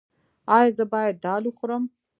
ایا زه باید دال وخورم؟